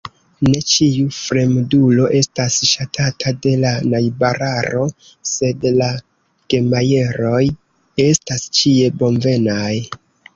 Ne ĉiu fremdulo estas ŝatata de la najbararo, sed la Gemajeroj estas ĉie bonvenaj.